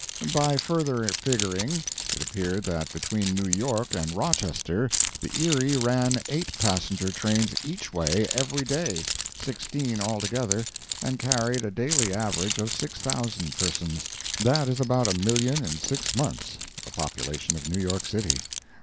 By further figuring, it appeared that between New York and Rochester the Erie ran eight passenger trains each way every day—sixteen altogether; and carried a daily average of 6,000 persons. That is about a million in six months—the population of New York city.